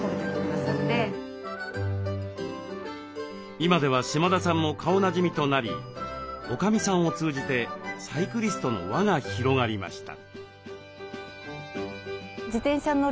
今では島田さんも顔なじみとなりおかみさんを通じてサイクリストの輪が広がりました。